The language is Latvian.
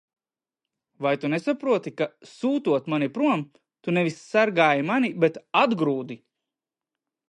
Vai tu nesaproti, ka, sūtot mani prom, tu nevis sargāji mani, bet atgrūdi?